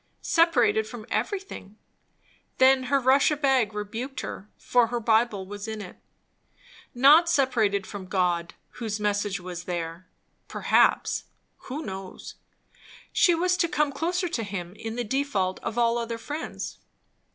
Separated from everything! Then her Russia bag rebuked her, for her Bible was in it. Not separated from God, whose message was there; perhaps, who knows? she was to come closer to him, in the default of all other friends.